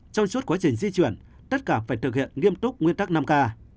trong suốt quá trình di chuyển tất cả phải thực hiện nghiêm túc nguyên tắc năm k